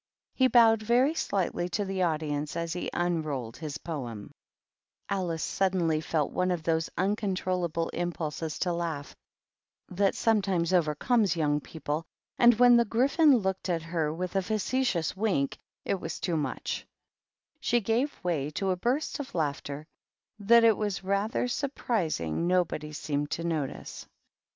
He bowed v( slightly to the audience as he unrolled his Po€ Alice suddenly felt one of those uncontroUal impulses to laugh that sometimes overcome you people, and when the Gryphon looked at her w a facetious wink, it was too much ; she gave ^ to a burst of laughter that it was rather surprisi nobody seemed to notice.